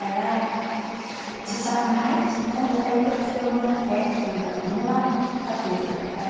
じゃあまた糸端を持って今度はそのまま引っ張ってみて下さい。